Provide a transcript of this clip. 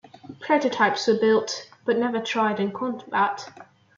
Prototypes were built but never tried in combat.